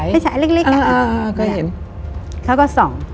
ไฟฉาย